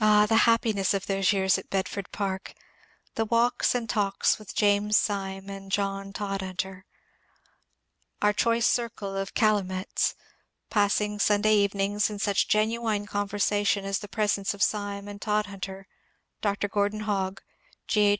Ah, the happiness of those years at Bedford Park I The walks and talks with James Sime and John Todhunter ; our choice circle of ^' Calumets " passing Sunday evenings in such genuine conversation as the presence of Sime and Tod hunter, Dr. Gordon Hogg, G.